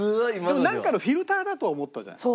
でもなんかのフィルターだとは思ったじゃない？